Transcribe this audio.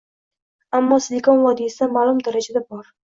Ammo Silikon vodiysida maʼlum darajada bor.